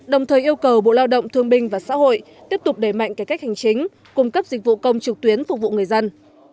đồng thời yêu cầu bộ lao động thương binh và xã hội tiếp tục đẩy mạnh cải cách hành chính cung cấp dịch vụ công trực tuyến phục vụ người dân